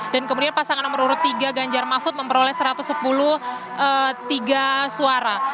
dan kemudian pasangan nomor urut tiga ganjar mahfud memperoleh satu ratus tiga belas suara